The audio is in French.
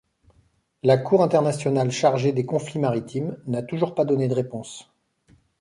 La Cour internationale chargée des conflits maritimes n'a toujours pas donné de réponse.